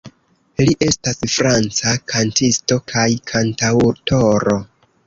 Li estas franca kantisto kaj kantaŭtoro.